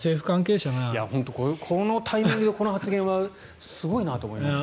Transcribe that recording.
このタイミングでこの発言はすごいなと思いますよね。